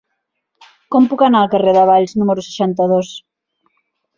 Com puc anar al carrer de Valls número seixanta-dos?